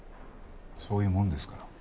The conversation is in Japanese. そういうもんですから。